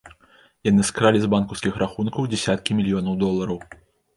Яны скралі з банкаўскіх рахункаў дзясяткі мільёнаў долараў.